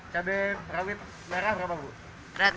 cabai rawit merah berapa bu